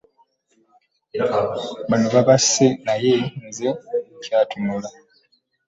Bano bebase naye nze nkyatunula.